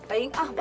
eh siapapun kan